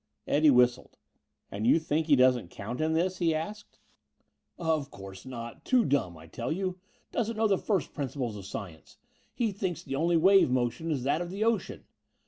Eddie whistled. "And you think he doesn't count in this?" he asked. "Of course not. Too dumb, I tell you. Doesn't know the first principles of science. He thinks the only wave motion is that of the ocean."